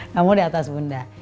kamu di atas bunda